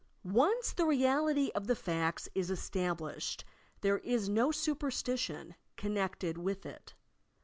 Once the reality of the facts is established, there is no "superstition" connected with it.